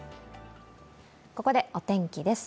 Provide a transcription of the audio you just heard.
ここでお天気です。